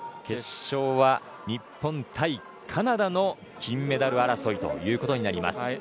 決勝は、日本対カナダの金メダル争いとなります。